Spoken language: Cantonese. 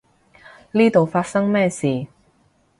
呢度發生咩事？